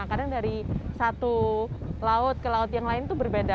kadang dari satu laut ke laut yang lain itu berbeda